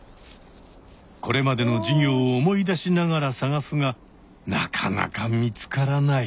これまでの授業を思い出しながら探すがなかなか見つからない。